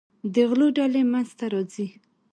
د غلو ډلې منځته راځي.